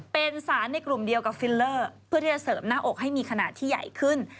เป็นสารในกลุ่มเดียวกับฟิลเลอร์เพื่อที่จะเสริมหน้าอกให้มีขนาดที่ใหญ่ขึ้น